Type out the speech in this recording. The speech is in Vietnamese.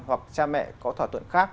hoặc cha mẹ có thỏa thuận khác